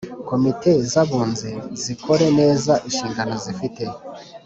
Komite z Abunzi zikore neza inshingano zifite